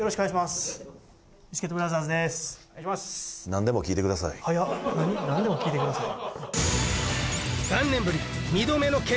「何でも聞いてください」